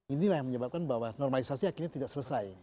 inilah yang menyebabkan bahwa normalisasi akhirnya tidak selesai